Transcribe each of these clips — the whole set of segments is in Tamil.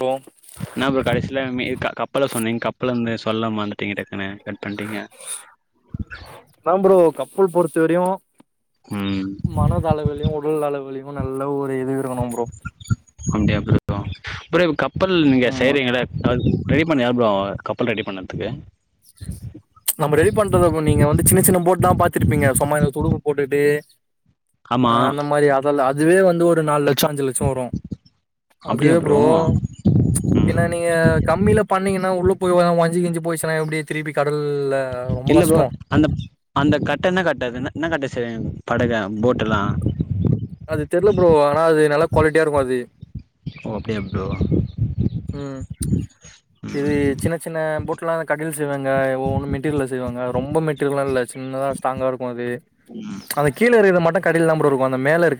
ப்ரோ ன்னா ப்ரோ கடேசில மே க கப்பல சொன்னீங் கப்பல வந்து சொல்ல மறந்துட்டீங்க டக்குனு கட் பண்ட்டீங்க அதா ப்ரோ கப்பல் பொறுத்த வரையு ம் மனதளவில்யு உடல் அளவிலியு னு நல்ல ஒரு இது இருக்கணு ப்ரோ [unintelligible] புறே ஒரு கப் பல் நீங்க ஆமா செய்கிறீங்களே அது ரெடி பண்ண எவ்ளோ ப்ரோ ஆவு கப்பல் ரெடி பண்ணத்துகு நம்ம ரெடி பண்றத நீங்க வந்து சின்ன சின்ன போட்லா பாத்திருப்பீங்க ஆமா ஆஹ் அந்த மாரி அதெல்லா அது இதுவே வந்து ஒரு நால்ல ச்சோ அஞ்சு லெட்சொ வரு அதுவே ப்ரோ என்ன ம் நீங்க கம்மில பண்ணீங்கனா உள்ளுப்போய் ஒயாம் ஒட்ஞ்சி கீஞ்சு டனா எப்டியோ திருப்பி கடல் இல்ல ப்ரோ அந்த அந்த கட்டென்ன கட்ட அதுன்ன என்ன கட்ட சொ செய்விங் படக போட்டெல்லா அது தெர்ல ப்ரோ ஆனா அது நல்ல குவாலிட்டியா இருக்கு அது ஓ அப்டியா ப்ரோ உம் இது சின்ன சின்ன போட்லா கடில் செய்வாங்க ஒவ்வொன்னு மெட்டீர்ல செய்வாங்க ரொம்பெ மெட்டிர்லா இல்ல சின்னதா ஸ்ட்ராங்கா இருக்கு அது அந்த கீழருக்கர மட்ட கடைலதா ப்ரோ இருக்கு அந்த மேல இருக்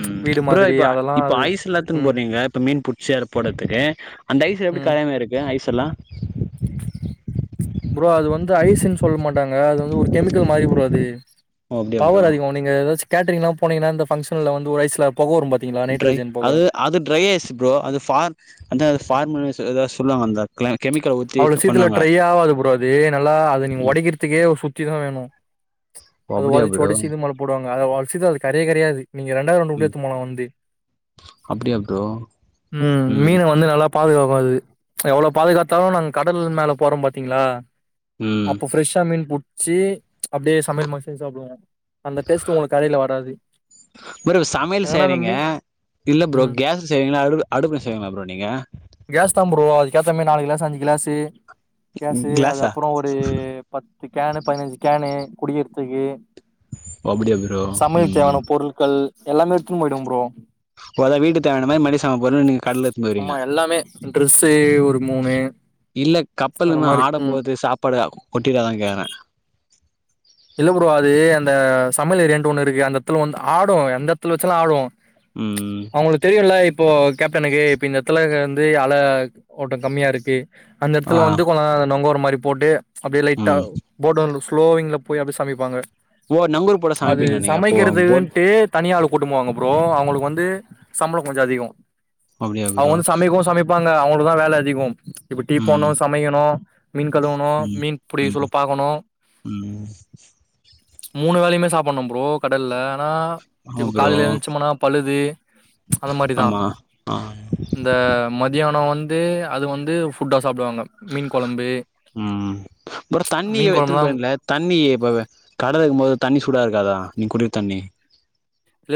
ம் ப்ரோ இப்ப அதெல்லாம் இப்ப அது ஐஸ்ல்லா எத்துன்னு ம் போறீங்க இப்ப மீன் புடிச்சி அதுல போட்றத்துக்கு அந்த ஐஸ் எப்டி ம் கரையாம இருக்கு ஐஸ் த்தலா ப்ரோ அது வந்து ஐஸுன் சொல் மாட்டாங்க அது வந்து ஒரு கெமிக்கல் மாரி ப்ரோ அது ஓ அப்டியா ப்ரோ பவர் அதிகோ நீங்க ஏதாச் கேட்டரிங்லா போனீங்கன்னா அந்த ஃபங்கஷன்ல வந்து ஒரு ஐஸ்ல்லா வெப் ட்ரை அது அது ட்ரை ஐஸ் ப்ரோ அது ஃபார் அந்த ஃபார்மஸ் ஏதோ சொல்லுவாங்க அந்த க்ளைன் அவ்ளோ சீக்ரத்தில ட்ரை ஆவாது ப்ரோ அது நல்லா அது நீங்க ம் ஒடைக்கிறதுக்கே ஒரு சுத்திதா வேணூ ஓ அது அப்டியா ஒதச்சு ப்ரோ ஒடச்சு இது மேல போடுவாங் அத ஒடச்சு தா அது கரையே கரையாது நீங்க ரெண்டாயிரோ நோட்டு ம் எத்துன் போலா வந்து அப்டியா ப்ரோ ம் மீன வந்து நல்லா பாதுகாக்கூ அது எவ்ளோ பாதுகாத் தாலூ நாங் கடல் மேல போறோ பாத்தீங்களா ம் அப்போ ஃப்ரெஷ்ஷா மீன் புட் ச்சி அப்டியே சமையல் மா செஞ்சி சாப்டுவோ அந்த டேஸ்ட் உங்களுக்கு கடைல வராது ப்ரோ சமையல் ஏன்னா அந்த செய்றீங்க மீன் இல்ல ப்ரோ ம் கேஸ்ல செய்வீங்களா அடு அடுப்புல செய்வீங்களா ப்ரோ நீங்க கேஸ் தா தம்பி நாலு கிளாஸ் ஐஞ்சு கிளாஸ்சு கேசு அது கிளாஸா அப்றோ ஒரு பத் பத்து கேனு பதினஞ்சு கேனு குடிக்கிறதுக்கு ஓ அப்டியா ப்ரோ சமையல் ம் தேவான பொருள்கள் எல்லாமே எடுத்துன் போயிடுவோ ப்ரோ போதான வீட்டு தேவையான மாரி மளிக சாமா பொருள் நீங்க கடல எத்துன்னு ஆமா போயிர்வீங்க எல்லாமே ட்ரெஸ்ஸு ஒரு மூணு இல்ல அந்த கப்பலுன் மாரி ம் ஆடம்போது சாப்பாட் [unintelligible] கொட்டி காமிக்றாங்க இல்ல ப்ரோ அது அந்த சமையல் ஏரியான்டு ஒன்னு இருக்கு அந்த எட்த்துல வந்து ஆடூ எந்தெட்த்துல வச்சாலூ ஆடூ ம் அவங்ளுக்கு தெரியூல்ல ப்போ கேப்டனுக்கு இப்ப எத்துலே து அல ஓட்டோ கம்மியாருக்கு அந்த ஆ எட்த்துல வந்து கொ நாங்கோரோ மாரி ரி போட்டு அப்டி லைட்டா ம் போட்டோ லூஸ் லோயிங்லப் போய் அப்டி சமிப்பாங்க ஓ நங்கூர் போட சமைப்பீங்க நீங்க அப்போ போட் தனியாளு கூட்டு போவாங்க ப்ரோ அவுங்ளுக்கு வந்து சம்ப்ளோ கொஞ்சோ அதிகோ அப்டியா ப்ரோ ப்பாங்க அவ்ங்களுதா வேல அதிகோம் இப்ப டீ ம் போட்னு சமைக்கனு மீன் கழுவனு ம் மீன் புடிக்க சொல்ல ம் பாக்கனு ம் மூணு வேலைமே சாப்புட்னு ப்ரோ கடல்ல ஆனா ஆமா இப்ப ப்ரோ கால்ல எந்ச்சோமனா பல்லு தி அது மாரிதா ஆமா ஆ இந்த மத்யானோ வந் ந்து அது வந்து ஃபுட்டா சாப்டுவாங்க. மீன் கொழம்பு உம் உம் ப்ரோ தண்ணி மீன் எட்த்துனு கொழம்புலாம் போய்ருவிங்ளா தண்ணி எது கடல் இருக்கும் போது தண்ணி சூடா இருக்காதா நீ குடி தண்ணி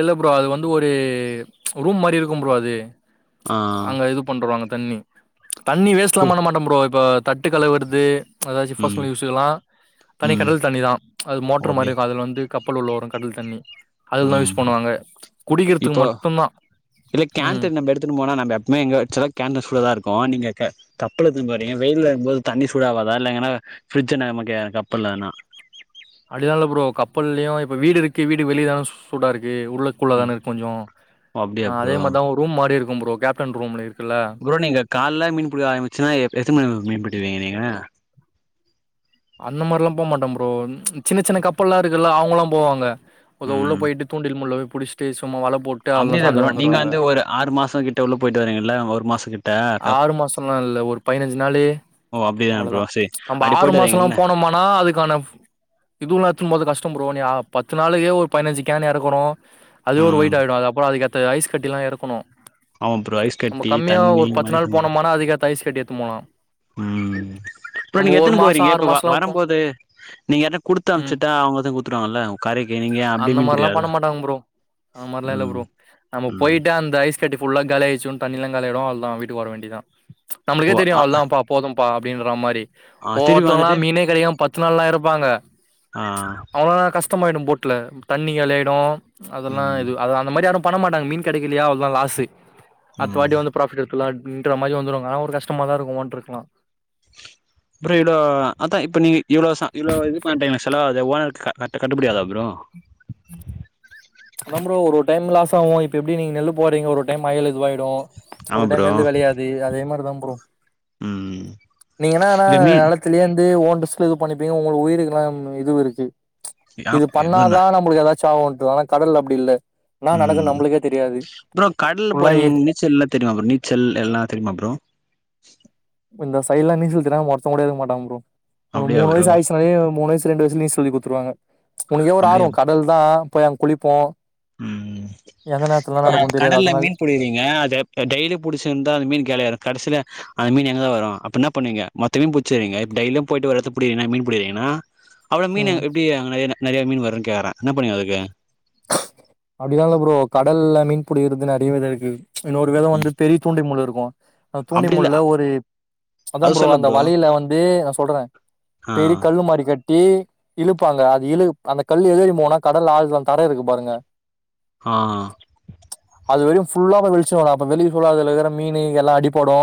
இல்ல ப்ரோ அது வந்து ஒரு ரூம் மாரி இருக்கும் ப்ரோ அது ஆ அங்க இது பண்றுவாங்க தண்ணி தண்ணி வேஸ்ட்லா குளி பண்ண மாட்ட ப்ரோ இப்ப தட்டு கழுவற்து எதாச்சு ம் ஃபர்ஸ்னல் யூஸுக்குலா தனி ம் கடல் தண்ணி தா அது ஓ மோட்ரு அப்டியா மாரிருக்கு அதுல வந்து கப் ப்பல் உள்ள வரு கடல் தண்ணி அதுதா யூஸ் குடிக்கிறதுக்கு இப்ப மட்டும் தான். இல்ல ம். கேன்தண் நம்ப எடுத்துன்னு போனா நம்ப எப்மே எங்க வச்சாலு கேன்ல சுடாகாது இருக்கோ நீங்க க கப்பல் எடுத்து இங்க வரீங்க வெயில்ல வரும்போது தண்ணி சுடாவாதா இல்ல எங்கனா ப்ரிஜ்ஜ நமக்கு பத்தலனா அப்டிதான ப்ரோ கப்பல்லயு இப்ப வீடு இருக்கு வீடு வெளியதானு சூடா இருக் எ உள்ளுக்குள்ள ம் தான கொஞ்சோ ஓ அப்டியா அஹ் அதே ப்ரோ மார்தா ஒங்க ரூம் மாரி இருக் போம் ப்ரோ‌‌ கேப்டன் ரூம்ல இருக் ப்ரோ நீங்க கால்ல மீன் புடிக்க ஆரம்மிச்சு எத் எத்தன மணி வர மீன் புடிப்பீங்க நீங்க அந்த மார்லா போமாட்ட ப்ரோ உம் சின்ன சின்ன கப்பெல்லா இருக்குல்ல அவ்ங்களா போவாங்க மொத உள்ள போய்ட்டு தூண்டில் முள்ள புடிஸ்டேசு அம்புட்டுதா ப்ரோ நீங்க வந்து ஒரு ஆறு மாசங்கிட்ட உள்ள போய்ட்டு வரீங்கல்ல ஒரு மாஸ் ஆறு மாசலா இல்ல ஒரு பதுனஞ்சு நாளு ஓ அப்டிதான அவ்ளதா ப்ரோ செரி நம்ப அப்டி ஆறு போயிட்டு மாசோலா வரீங்கல்ல போனோமானா அதுக்கான இதுல்லா எட்த்துன்னு போறது கஷ்டோ ப்ரோ நீ ஆஹ் பத்து நாளைக்கே ஒரு பதுனஞ்சு கேனா இருக்கணு அது ஒரு ம் ஒயிட் ஆயிடு அது அப்பற அதிகப் து ஐஸ் கட்டிலா இருக்கணு ஆமா ப்ரோ ஐஸ் கட்டி தண்ணி இதுக்கு முன்னாடியே நாள் சொன்னது போனோமானா அதுக்கேத்த ஐஸ் கட்டி எத்துன்னு போலாம். உம் இப்ப நம்ம நீங்க ஒரு எத்தன ப்ரோ மாசம் இருக்கீங்க இப்ப வ மாசம்லாம் போ வரம்போது நீங்க யார்ட்னா குடுத்து ம். அனுப்சுட்டா அவ்ங்க வந்து குடுத்துடுவாங்கல்ல கரைக்கு நீங்க ஏ அப்டி அந்த மீன் மாரிலா பிடிக்கல்ல பண்ண மாட்டாங்க ப்ரோ அந்த மாரிலா இல்ல உம் ப்ரோ நம்ம உம் போயிட்டு அந்த ஐஸ் கட்டி ஃபுல்லா காலியாய்ருச்சோன் தண்ணிலா காலியாய்டு அல்லா விட் ட்டு வரவேண்டிதா நம்பளுக்கே ஓ தெரியு ஆ அவ்ளோ தாப்பா போதும் பா அப்டின்ற மாரி ஆ திருப்பி ஓவ்வொருத்தவங்க வந்துட்டு மீனே கெடைக்காம பத்து நாள்லா இருப்பாங்க ஆ அவ்ளோ கஷ் கஷ்டமாயிடும் போட்ல தண்ணி காலி ஆயிடு அதெல்லா ம் இது அது அந்த மாரி ஆய்டும் பண்ண மாட்டங்க மீன் கெடைக்கலையா அவ்ளோதா லாசு அடுத்த ம் வாட்டி வந்து பிரொஃபிட் எடு குலா அப்டின்ற மாரி வந்துடுங்க ஆனா ஒரு கஷ்டமா தா இருக்கு ஒன் இருக்கலா ப்ரோ இவ்ளோ மாடே எனக் செலவாவுது ஓனருக்கு க கட்டுபிடியாகா ப்ரோ அதா ப்ரோ ஒரு ஒரு டைம் லாசாவு இப்ப எப்டி நீங்க நெல்லு போறீங்க ஒரு ஒரு டைம் மழையில இதுவாயி டோ ஆமா ஒரு டைம் ப்ரோ நெல்லு வெளையாது அதே மாரி தா ப்ரோ ம் நீங்கன ஆனா இந்த மீன் நெலத்திலே வந்து ஓன் ரிஸ்க்ல இது பண்ணிப்பீங்க உங்கள உயிர் இதல்லா இது இருக்கு யா இது பண்ணாதா என்னன்ன நம்மளுக்கு ஏதாச்சு ஆவோன்ட்டு ஆன கடல்ல அப்டி இல்ல என்னா ம் நடக்குன்னு ம் நம்மளுக்கே தெரியாது ப்ரோ கடல்ல ஃபுல்லா போறீங்கல்ல இயற் உங்களுக்கு நீச்சல் எல்லா தெரியுமா ப்ரோ நீச்சல் எல்லா தெரியுமா ப்ரோ இந்த சையிலா நீச்சல் தெரியாம ஒருத்த கூட இருக்க மாட்டாங்க ப்ரோ உனக்கு அப்டியா மூணு ப்ரோ வயசு ஆயிச்சுனாலே மூணு வயசு ரெண்டு வயசுலயே நீங்க சொல்லிக் கொடுத்துடுவாங்க உனக்கே ஒரு ஆர்வொ கடல் தா போய் அங்க குளிப்போ உம் எந்த நேரத்துலலா இப்ப நடக்குன்னு தெரியாது கடல்ல அதனால மீன் புடிக்கிறீங்க அத இப்ப டெய்லி புடிச்சு இருந்தா அத மீன் கெடயட கடைசியில அந்த மீன் எங்க வரு அப்ப என்ன பண்ணுவீங்க மொத்தவியு புச்சிருவிங்க இப்ப டெய்லியு போயிட்டு வர்றது எப்டி மீன் புடிக்கிறீங்கன்னா அவ்ளோ மீன் ம் எப்டி அங்கன்ன [unintelligible] நெறைய மீன் வருன்னு கேக்கறே என்ன பண்ணுவீங்க அதுக்கு அப்டிலா இல்ல ப்ரோ கடல்ல மீன் புடிக்கிறது நெறய விதொ இருக்கு இன்னொரு விதொ ம் வந்து பெரிய தூண்டில் முள் இருக் அ தூண்டில் அப்டி இல்ல முள்ள ஒரு அத அது ப்ரோ சொல்ல அந்த வலையில வந்து நா சொல்றே ஆ பெரிய கல்லு மாறி கட் டி இழுப்பாங்க அது இழு அந்த கல் எதுறிக்கு போகோனா கடல் ஆழ்த்ல தர இருக்கு பாருங்க ஆ அது வரையு ஃபுல்லாவ வெளிச்சொ வரோ அப்போ வெளி அதுலகுற மீனு இங்க எல்லா அடிபடூ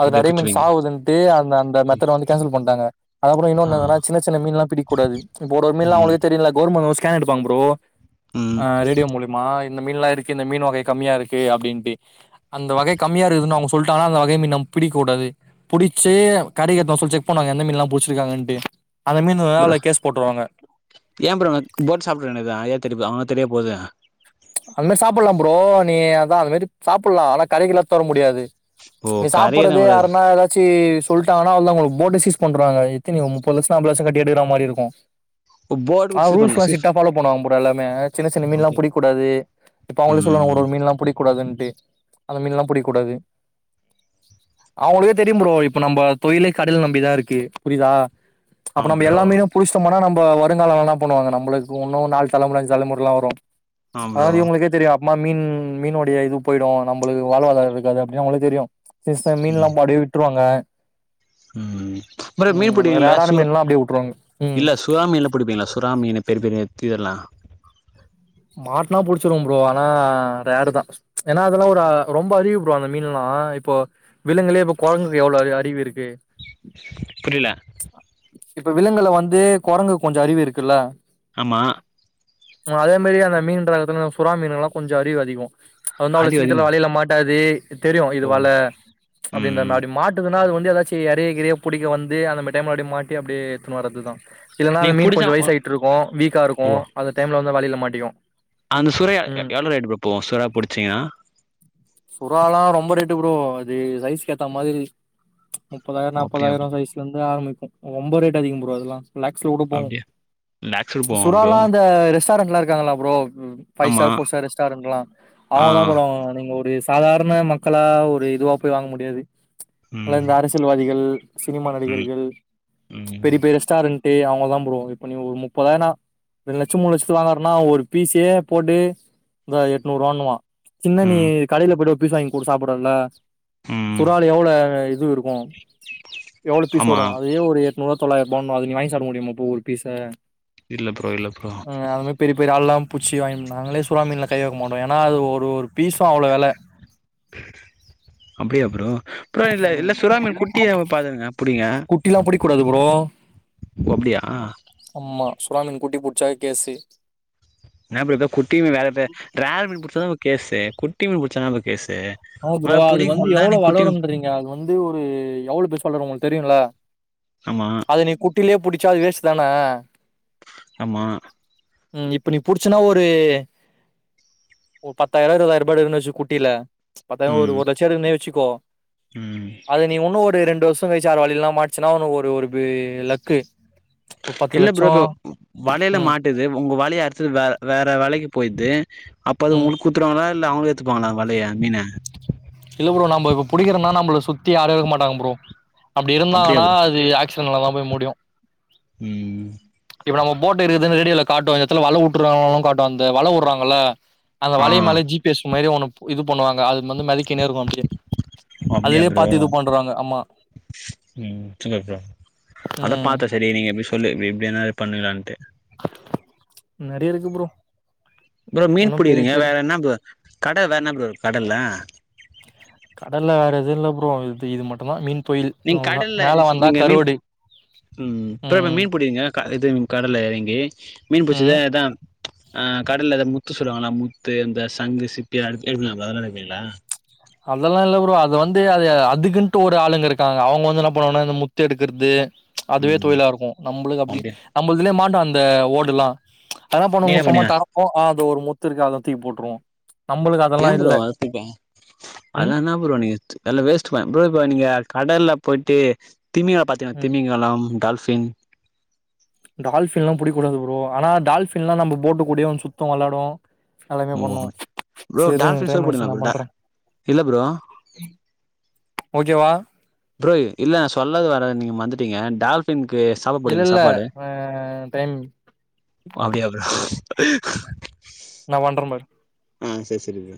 அது அப்டியே நெறைய மீன் புச்சுப்பீங்க சாவுதுன்ட்டு அந்த அந்த மெத்தட வந்து கேன்சல் பண்டாங்க அதுகபறோ ஆ இன்னோன் என்னனா சின்ன சின்ன மீன்லா பிடிக்கூடாது இப்போ ஒர் ஒர் மீன்லா ம் அவங்ளுக்கே தெரியுல்ல கோர்மன் யோச் காலென்ரு வாங் ப்ரோ ம் ஆ ரேடியோ மூலிமா இந்த மீன்லா இருக்கு இந்த மீன் வகை கம்மியா இருக்கு அப்டீன்ட்டு அந்த வகை கம்மியா இருக்குதுன் அவுங்க சொல்ட்டாங்கனா அந்த வகை மீன் நம் பிடிக்கூடாது புடுச்சு கடைக்கெத்தவ் சொல் செக் பண்ணுவாங்க எந்த மீன்ல்லா புச்சிருக்காங்கன்டு அத மீன் வ ப்ரோ ஆள கேஸ் போட்ருவாங்க டவேண்டியதா ஏ தெர்யபொது அவன தெரியபோது அந் மாரி சாப்புல்லாம் ப்ரோ நீ அதா அந்த மாரி சாப்புல்லா ஆனா கடைக்கெல்லா தர முடியாது ஓ நீ கரையேற சாப்புறது விடாது யாருனா எதாச்சி சொல்ட்டாகங்னா அவ்ளதா ஒங் போட்ட சீஸ் பண்டுருவாங்க எத்தினி ஒ முப்பதுலச்ச அமபதுலச்ச கட்டி எடுக்குற மாரி இருக்கு போர்டு ஆ கூட சீஸ் பண்ண ரூல்ஸ்ல்லா சீஸ் சிட்டா ஃபாலோ பண்ணுவாங்க ப்ரோ எல்லாமே சின்ன சின்ன மீன்லா அப்படியா புடிக் கூடாது இப்ப அவுங்கள சொல்லுவாங்க ஒரு ம் ஒரு மீன்லா புடிக்கூடாதுன்ட்டு அந்த மீன்ல்லா புடிக் கூடாது அவுங்களுகே தெரியும் ப்ரோ இப்ப நம்ப தொழிலே கடல் நம்பிதாருக்கு புரிதா அப்ப ஆமா நம்ப ப்ரோ எல்லா மீனு புடுச்டோமானா நம் ப வருங்காலொல்லா னாப்பண்ணுவாங்க நம்பளுக்கு ஒன்னு நால் தலமுற அஞ்சு தலமுறல்லா வரு ஆமா ப்ரோ அதாது இவுங்களுக்கே தெரியு மா மீன் மீனொடைய இது போயிடு நம்பளுக்கு வாழ்வாதார இருக்காது அப்புடின் அவுங்களுக்கு தெரியு சின்ன சின்ன மீன்ல்லா பாடி விட்ருவாங்க உம் ப்ரோ மீன் ம் புடிங்கள்ல ரேரான சுற் மீன்லா அப்டியே விட்ருவாங்க ம் இல்ல சுறா மீன்லா புடிப்பீங்ளா சுறா மீனு பெரி பெரி நெத்தி இதல்லா மாட்னா புடுச்சுருவம் ப்ரோ ஆனா ரேரு தா ஏனா அதெல்லா ஒரு அ ரொம்ப அறிவு ப்ரோ அந்த மீன்ல்லா இப்போ விலங்களே இப்ப கொரங்குக்கு எவ்ளோ அறி அறிவிருக் புரில இப்ப விலங்குல வந்து கொரங்கு கொஞ்ச அறிவு இருக்குல்ல ஆமா மாதெ மாரி அந்த மீன்ற அதுல சுறா மீனுல்லா கொஞ்ச அறிவு அதிகோ அ வந்து அவ்ளொ அது அதிகமா சீக்கரத்துல வலைல மாட்டாது தெரியு இது ஓ வல அப்டின்றமா ம் அபுடி மாட்டுதுன்னா அது வந் து எதாச்சு எறைய கிறைய புடிக்க வந்து அந்த மா டைம்ல அப்டே மாட்டி அப்டியே எத்துன் வர்றதுதா இல்லனா அந்த நீங்க மீன் புடிச்சா கொஞ்ச ஓ வயசாயிட்ருக்கு வீக்காருக்கு ஓ அத டைம்ல ல வலைல மாட் டிகு அந்த சுறா எவ்ளொ ரேட்டு ப்ரோ போவு சுறா புடுச்சீங்கனா சுறாலா ரொம்ப ரேட்டு ப்ரோ அது சைஸ்க் ஏத்த மாதிரி முப்பதாயிரம் ஓ அப்டியா நாற்பதாயிரம் சைஸ்ல இருந்து ஆரம்பிக்கு ஒன்ம்ப ரேட் அதிகம் ப்ரோ அதெல்லா லாக்ஸ்ல கூட போவும் அப்டியா லேக்ஸ்ல போவா ப்ரோ சுறலா அந்த ரெஸ் சாரங்களா இருக்கு க்காங்களா ப்ரோ ம்ஹ் ஃபைவ் ஆமா ஸ்டார் ஃபோர் ஸ்டார் ரெஸ்டாரண்ட்ல்லா ஆ அவங்க தான் போடுவாங்க நீங்க ஒரு ஒரு சாதாரண மக்களா ஒரு இதுவா போய் வாங்க முடியாது ம் இந்த அரசியல்வாதிகள் சினிமா ம் நடிகர்கள் ம் பெரிய பெரிய ரெஸ்டாரண்ட் அவங்க தான் போகணும் இப்ப நீ ஒரு முப்பதாயிரம் ரெண்டு லட்சம் மூணு லட்சத்து வாங்க அண்ணா ஒரு பீஸே போட்டு ரூபாய் எண்ணூறு வாங்குவான் என்ன நீ ம் காலையில போயிடு பீஸா வாங்கி கூட சாப்பிடறல்ல ம் சுறால் எவ்ள இது இருக்கு எவ்ள பீஸ் ஆமா வரு அதே ஒரு எட்நூற்வா தொளாய போட்ணு அத நீ வாங் சாவ்ட முடியுமா பூ ஒரு பீச இல்ல ப்ரோ இல்ல ப்ரோ ரால்லா பூச்சி வாங்கி நாங்களே சுறா மீன்ல கை வைக்க மாட்டோ ஏன்னா அது ஒரு ஒரு பீஸு அவ்ளோ வெல அப்டியா ப்ரோ புறோ இல்ல ம் இல்ல சுறாமின் குட்டியா ஒ பாத்துருங்க புடிங்க குட்டிலா புடிக்கூடாது ப்ரோ ஒ அப்டியா ஆமா சுறா மீன் குட்டி புட்ச்சா கேசு என்னா ப்ரோ த குட்டியுமே வேறபே ரேர் மீன் பதாம்பு கேசே குட்டிடமீன் புச்சாதாம்போ கேஸ் நோ ப்ரோ அது வந்து எவ்ளோ மீன் வளரும்ன்றீங்க அது வந்து ஒரு எவுளு பெர்சு வளரு உங்களுக் தெரியுல்ல ஆமா அத நீ குட்டிலே புடி சா அது வேஸ் தான அமா ம் இப்ப நீ புடிச்சனா ஒரு ஒரு பத்தாயர்வா இருதாயிர்பா எடுக்கன் வெச்சு குட்டில பத்தாங்க ஒரு ம் லட்ச எடுக்கன்னே வெச்சு கோ ம் அது நீ உன்னு ஒரு ரெண் டு வசங்கல்ச்சி யார் வலைல்னா மாட்ச்சுனா ஒரு லக்கு ஒரு பத்து இல்ல ப்ரோ லட்சம் இப்ப வலைல ம் மாட்டுது ஒங்க வலைய அறுத்துது வேற வேற வலைக்கு போய்து அப்ப அது ம் உங்ளுக் குத்துருவாங்ளா இல்ல அவுங்ளே எத்துக்குவாங்ளா வலைய மீன இல்ல ப்ரோ நம்ப இப்ப புடிக்கிறம்னா நம்பள சுத்தி யாரு இருக் மாட்டாங் ப்ரோ அப்டி அப்டியா இருந்தாங்கனா ப்ரோ அது ஆக்ஷ் [unintelligible] போய் முட்யு ம் இப்ப நம்ம போட்டு் இருக்குதுன் ரெடியுல காட்டுவஞ்சத்ல வல வட்டுர்றாங்ளோன் காட்டு அந்த வல உர்றாங்களல்ல அந்த ஆ வலைய மேல ஜிபிஎஸ் மைரே ஒன்னுப் இது பென்னுவாங்க அது வந்து மிதக்கினே இருக்கும் அப்படியே அப்டியா அதுலயே ப்ரோ பாத்து இது பண்றாங்க ஆமா ம் சேர் ப்ரோ அதா ம் பாத்தா சரி நீங்க எப்டி சொல்லிர்பி எப்டி ஆனாலு பண்ணுலாண்டே நிறைய இருக்கு ப்ரோ ப்ரோ மீன் இன்னு பெரிய பிடிங்குறீங்க பெரிய வேற என்ன ப்ரோ கட வேற என்ன ப்ரோ இருக் கடல்ல கடல்ல வேற எது இல்ல ப்ரோ இது இது மட்டுதா மீன் தொழில் நீங்க அவ்ளதா கடல்ல மேல வந்தா நீங்க மீன் கருவாடு உம் பற இப்ப ம் மீன் பிடிக்கிறீங்க இது கடல்ல எறங்கி மீன் பிடிச்சது ம் அதா ஆஹ் கடலத முத்து சொல்லுவாங்களா முத்து இந்த சங்கு சிப்பி அதெல்லா எடுத்து அப்டியே வளறவெப்பீங்களா அதெல்லா இல்ல ப்ரோ அது வந்து அது அதுக்குன்ட்டு ஒரு ஆளுங்க இருக்காங்க அவங்க வந்து என்ன பண்ணனா இந்த முத்து எடுக்குறது அதுவே ம் தொழிலா இருக்கு நம்பளுக்கு அப்டி அப்டியா நம்ம இதுலே மான்டா இந்த ஓடுல்லா என்னா நீங்க பண்ணுங்க என்ன சும்மா பண்ணீங்க தரப்போ அது ஒரு முத்து இருக்கு அத தூக்கி போட்டுருவோ நம்மளுக்கு அதெல்லா இல்ல ம் அதென்ன ப்ரோ நீங்க அதுல வேஸ்ட் பண்ண ப்ரோ இப்போ நீங்க கடல் ல போயிட்டு திமிங்கா பாத்தீங்க ம் திமிங்கலம் டால் ஃபின் டால்ஃபின்ல்லா நம்ப போட் கூடயே வந்து சுத்து விளையாடு ஓ ப்ரோ டால்ஃபின்ஷொ டைம் போடுவீங்களா ஆயிடுச்சு நா ப்ரோ டா பண்றே இல்ல ப்ரோ ஓகேவா ப்ரோ ய இல்ல நா சொல்ல வரது நீங்க மந்துட்டீங்க டால்ஃபின் இல்ல இல்ல ஆஹ் டைம் அப்டியா ப்ரோ நா பண்ற பாரு ஆஹ் சரி சரி ப்ரோ